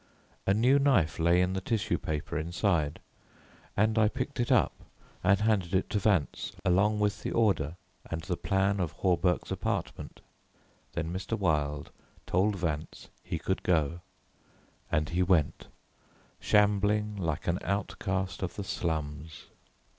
A new knife lay in the tissue paper inside and I picked it up and handed it to Vance, along with the order and the plan of Hawberk's apartment. Then Mr. Wilde told Vance he could go; and he went, shambling like an outcast of the slums.